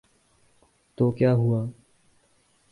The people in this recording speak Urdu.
تو کیا ہوا۔